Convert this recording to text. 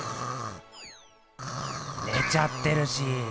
ねちゃってるし！